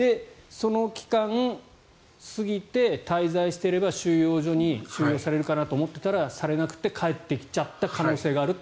その期間を過ぎて滞在していれば収容所に収容されるかなと思っていたらされなくて、帰ってきちゃった可能性があると。